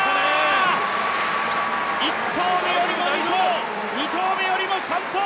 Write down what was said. １投目よりも２投２投よりも３投！